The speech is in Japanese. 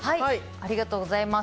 ありがとうございます